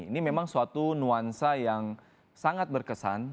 ini memang suatu nuansa yang sangat berkesan